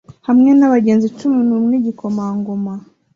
Hamwe nabagenzi cumi numwe igikomangoma